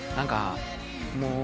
もう。